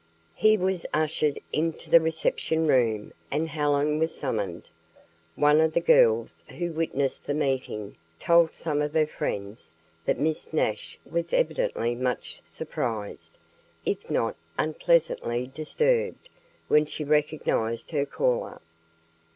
He was ushered into the reception room and Helen was summoned. One of the girls who witnessed the meeting told some of her friends that Miss Nash was evidently much surprised, if not unpleasantly disturbed, when she recognized her caller.